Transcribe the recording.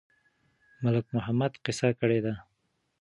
ملک محمد قصه کړې ده.